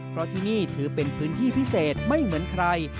เพราะที่นี่ถือเป็นพื้นที่พิเศษไม่เหมือนใคร